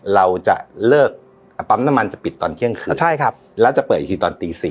เราจะเลิกปั๊มน้ำมันจะปิดตอนเที่ยงคืนใช่ครับแล้วจะเปิดอีกทีตอนตีสี่